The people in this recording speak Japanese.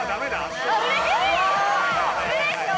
うれしい！